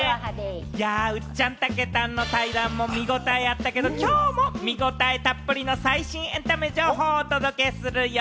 ウッチャン、たけたんの対談も見応えあったけれども、きょうも見応えたっぷりの最新エンタメ情報をお届けするよ。